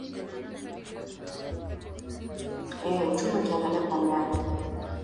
eeh uchumi ukiangalia kwa undani